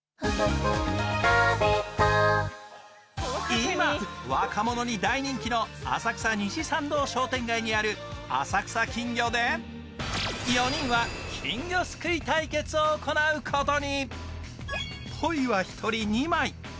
今、若者に大人気の浅草の西参道商店街にある浅草きんぎょで４人は金魚すくい対決を行うことに。